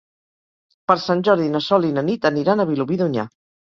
Per Sant Jordi na Sol i na Nit aniran a Vilobí d'Onyar.